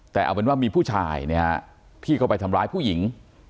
แต่เอาเป็นว่ามีผู้ชายที่เข้าไปทำร้ายผู้หญิง